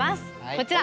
こちら。